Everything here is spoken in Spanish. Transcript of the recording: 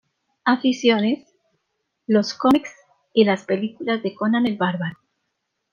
Aficiones: Los cómics y las películas de Conan el Bárbaro.